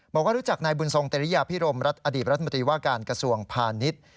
บอกว่ารู้จักนายบุญทรงเตริยาพิรมรัฐอดีตรัฐมนตรีว่าการกระทรวงพาณิชย์